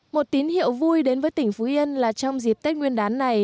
một tín hiệu vui đến với tỉnh phú yên là trong dịp tết nguyên đán này